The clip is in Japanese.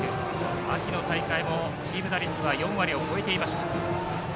秋の大会もチーム打率は４割を超えていました。